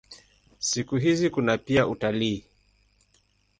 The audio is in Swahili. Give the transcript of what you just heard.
Siku hizi kuna pia utalii.